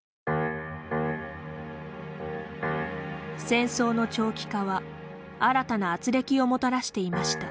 戦争の長期化は新たなあつれきをもたらしていました。